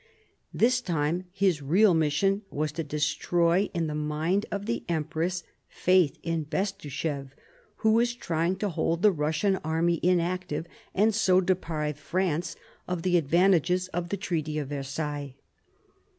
This time his real mission was to destroy in the mind of the Empress faith in Bestuchéf, who was trying to hold the Russian army inactive and so deprive France of the advantages of the Treaty of Versailles.